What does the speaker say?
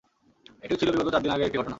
এটিও ছিল বিগত চারদিন আগের একটি ঘটনা।